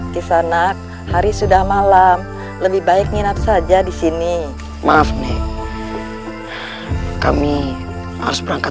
di sana hari sudah malam lebih baik nginap saja di sini maaf nih kami harus berangkat